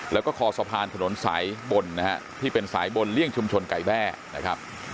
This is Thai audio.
แล้วก็คอสะพานถนนสายบนนะฮะที่เป็นสายบนเลี่ยงชุมชนไก่แบ้นะครับ